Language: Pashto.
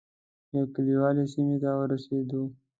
یو کلیوالي سیمې ته ورسېدو.